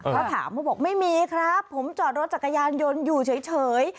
เขาถามเขาบอกไม่มีครับผมจอดรถจักรยานยนต์อยู่เฉย